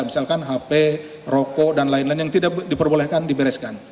misalkan hp rokok dan lain lain yang tidak diperbolehkan dibereskan